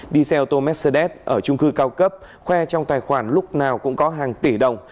đi xe ô tô mercedes ở trung cư cao cấp khoe trong tài khoản lúc nào cũng có hàng tỷ đồng